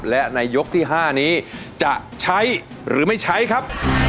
และในยกที่๕นี้จะใช้หรือไม่ใช้ครับ